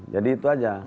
jadi itu saja